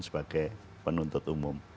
sebagai penuntut umum